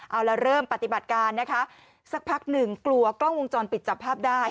เอาละเริ่มปฏิบัติการนะคะสักพักหนึ่งกลัวกล้องวงจรปิดจับภาพได้